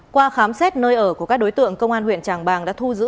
qua khám xét nơi ở của các đối tượng công an huyện tràng bàng đã thu giữ